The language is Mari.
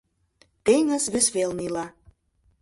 Теҥыз вес велне ила